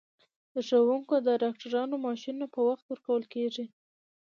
د ښوونکو او ډاکټرانو معاشونه په وخت ورکول کیږي.